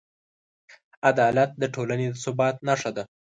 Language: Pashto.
عدالت د ټولنې د ثبات نښه ده.